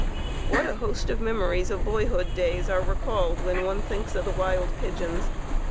What a host of memories of boyhood days are recalled, when one thinks of the wild pigeons.